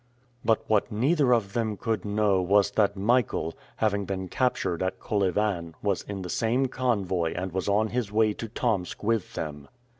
But what neither of them could know was that Michael, having been captured at Kolyvan, was in the same convoy and was on his way to Tomsk with them.